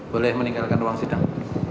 boleh meninggalkan ruang sidang